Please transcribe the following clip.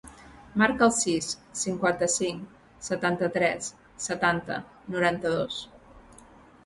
Marca el sis, cinquanta-cinc, setanta-tres, setanta, noranta-dos.